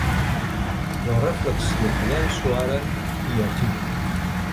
La reflexió que llanço ara i aquí.